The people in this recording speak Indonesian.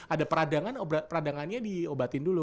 ada peradangan peradangannya diobatin dulu